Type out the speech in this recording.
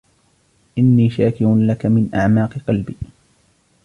إني شاكر لك من أعماق قلبي.